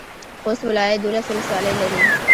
خوست ولایت دولس ولسوالۍ لري.